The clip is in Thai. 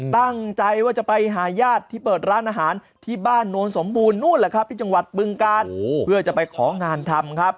ตั้งใจว่าจะไปหาญาติที่เปิดร้านอาหารที่บ้านโนนสมบูรณ์นู่นแหละครับที่จังหวัดบึงกาลเพื่อจะไปของานทำครับ